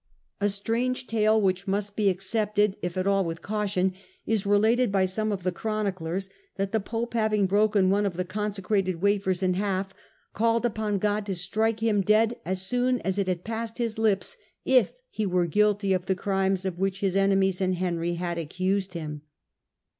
A strange tale, which must be accepted, if at all, with caution, is related by some of the chroniclers, that the pope, having broken one of the consecrated wafers in hdf, called upon God to strike him dead as soon as it had passed his lips if he was guilty of the crimes of which his enemies and Henry had accused him.